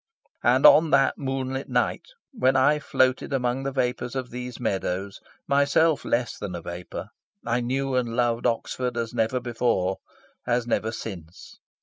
And on that moonlit night when I floated among the vapours of these meadows, myself less than a vapour, I knew and loved Oxford as never before, as never since.